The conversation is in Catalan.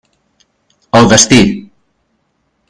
El destí.